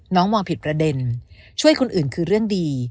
น้องมองผิดประเด็นช่วยคนอื่นคือเรื่องดี